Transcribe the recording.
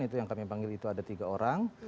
itu yang kami panggil itu ada tiga orang